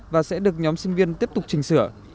và sẽ được nhóm sinh viên tiếp tục trình sửa